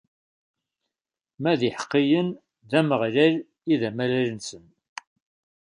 Ma d iḥeqqiyen, d Ameɣlal i d amalal-nsen.